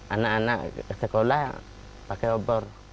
anak anak sekolah pakai obor